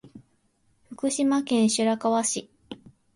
福島県白河市